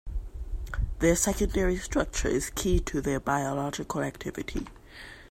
Their secondary structure is key to their biological activity.